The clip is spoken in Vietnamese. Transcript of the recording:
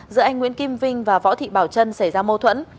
giữa anh nguyễn kim vinh và võ thị bảo trân xảy ra mâu thuẫn